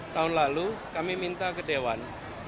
tahun lalu kami minta ke dewan